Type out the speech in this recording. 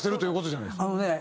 あのね